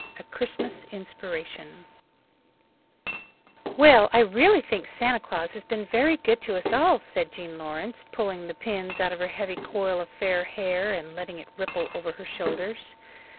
A Christmas Inspiration "Well, I really think Santa Claus has been very good to us all," said Jean Lawrence, pulling the pins out of her heavy coil of fair hair and letting it ripple over her shoulders.